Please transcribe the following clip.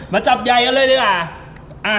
มาจับใยกันเลยละกัน